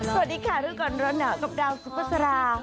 สวัสดีค่ะทุกคนรน่ากลับดาวซุปเปอร์สารา